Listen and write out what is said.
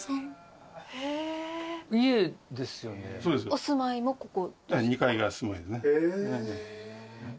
お住まいもここ？